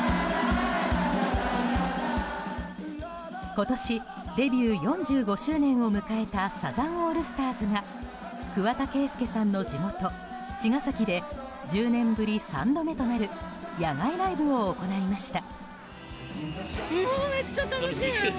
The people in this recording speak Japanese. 今年デビュー４５周年を迎えたサザンオールスターズが桑田佳祐さんの地元・茅ヶ崎で１０年ぶり３度目となる野外ライブを行いました。